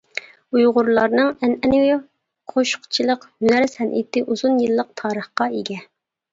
ئۇيغۇرلارنىڭ ئەنئەنىۋى قوشۇقچىلىق ھۈنەر-سەنئىتى ئۇزۇن يىللىق تارىخقا ئىگە.